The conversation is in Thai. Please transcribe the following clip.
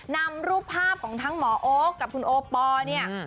นำรูปภาพของทั้งหมอโอ๊คกับคุณโอปอลเนี่ย